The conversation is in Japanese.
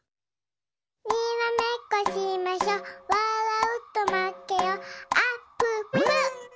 「にらめっこしましょわらうとまけよあっぷっぷ」